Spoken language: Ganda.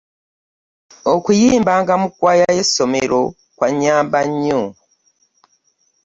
Okuyimbanga mu kkwaaya y'essomero kwannyamba nnyo.